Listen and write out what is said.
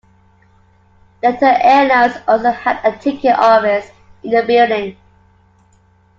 Delta Air Lines also had a ticket office in the building.